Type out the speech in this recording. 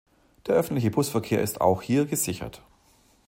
Der öffentliche Busverkehr ist auch hier gesichert.